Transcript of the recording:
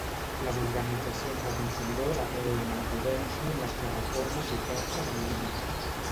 Les organitzacions de consumidors apel·len a la prudència amb les plataformes d'ofertes en línia.